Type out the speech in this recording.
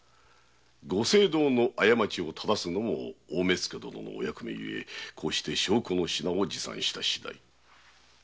ご政道の過ちを正すのも大目付殿のお役目ゆえこうして証拠の品を持参した次第。